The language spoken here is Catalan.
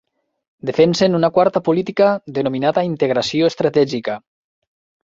Defensen una quarta política denominada integració estratègica.